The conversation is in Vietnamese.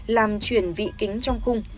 làm chuyển vị kính trong khung